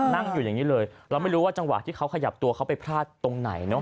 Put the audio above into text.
นั่งอยู่อย่างนี้เลยเราไม่รู้ว่าจังหวะที่เขาขยับตัวเขาไปพลาดตรงไหนเนาะ